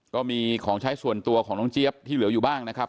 ก็มีของใช้ส่วนตัวของน้องเจี๊ยบที่เหลืออยู่บ้างนะครับ